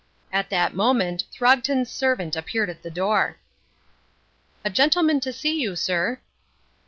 At that moment Throgton's servant appeared at the door. "A gentleman to see you, sir."